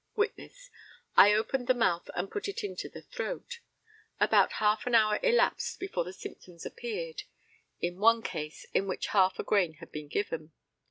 Witness: I opened the mouth and put it into the throat. About half an hour elapsed before the symptoms appeared in one case in which half a grain had been given.